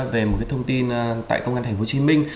về một thông tin tại công an thành phố hồ chí minh